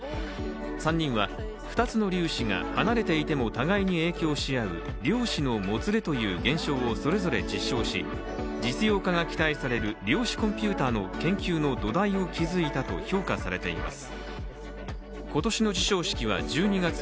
３人は、二つの量子が離れていても互いに影響し合う量子のもつれという現象をそれぞれ実証し実用化が期待される量子コンピューターの研究の土台を築いたと評価されています。